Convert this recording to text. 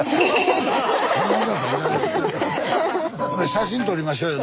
写真撮りましょうよ